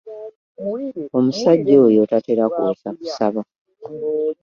Omusajja oyo tatera kwosa kusaba.